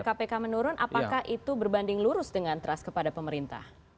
kpk menurun apakah itu berbanding lurus dengan trust kepada pemerintah